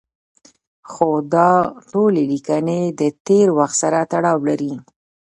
خو دا ټولې لیکنې له تېر وخت سره تړاو لري.